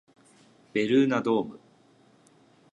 ベルーナドーム